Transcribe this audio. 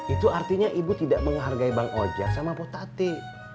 itu artinya ibu tidak menghargai bang oja sama potati